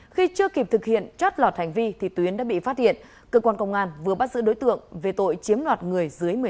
khi chưa kịp thực hiện trót lọt hành vi thị tuyến đã bị phát hiện cơ quan công an vừa bắt giữ đối tượng về tội chiếm lọt người dưới một mươi sáu tuổi